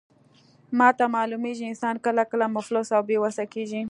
ماته معلومیږي، انسان کله کله مفلس او بې وسه کیږي.